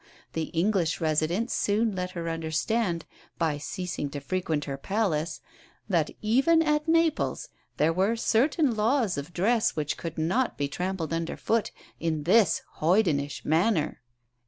The English residents soon let her understand, by ceasing to frequent her palace, that even at Naples there were certain laws of dress which could not be trampled underfoot in this hoydenish manner."